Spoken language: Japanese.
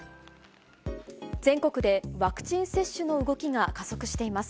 全国でワクチン接種の動きが加速しています。